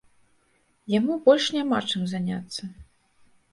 Яму больш няма чым заняцца.